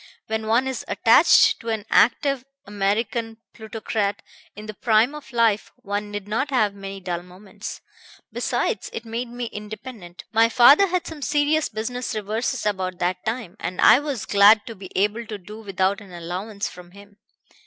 When one is attached to an active American plutocrat in the prime of life one need not have many dull moments. Besides, it made me independent. My father had some serious business reverses about that time, and I was glad to be able to do without an allowance from him.